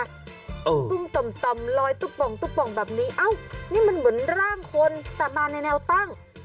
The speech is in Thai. ตุ้มต่ำต่ำลอยตุ๊กป่องแบบนี้อ้าวนี่มันเหมือนร่างคนแต่มาในแนวตั้ง